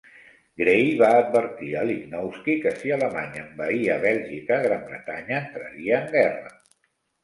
Grey va advertir a Lichnowsky que si Alemanya envaïa Bèlgica, Gran Bretanya entraria en guerra.